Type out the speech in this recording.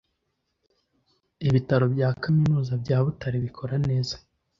ibitaro bya kaminuza bya butare bikora neza